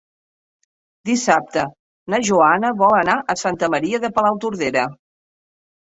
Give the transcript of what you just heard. Dissabte na Joana vol anar a Santa Maria de Palautordera.